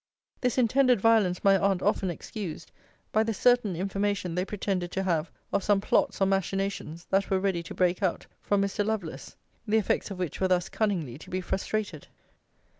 This intended violence my aunt often excused, by the certain information they pretended to have, of some plots or machinations, that were ready to break out, from Mr. Lovelace:* the effects of which were thus cunningly to be frustrated.